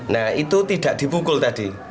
nah itu tidak dipukul tadi